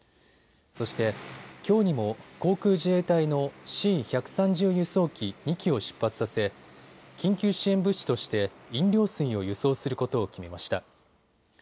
そして、きょうにも航空自衛隊のＣ１３０輸送機２機を出発させ緊急支援物資として飲料水を輸送することを決めました。